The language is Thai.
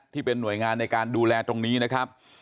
ที่เป็นหน่วยงานในการดูแลตรงนี้นะครับ